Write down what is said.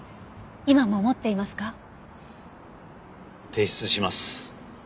提出します。